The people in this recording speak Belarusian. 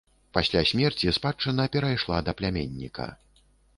Пасля смерці спадчына перайшла да пляменніка.